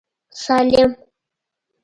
سالم.